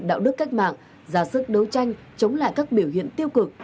đạo đức cách mạng ra sức đấu tranh chống lại các biểu hiện tiêu cực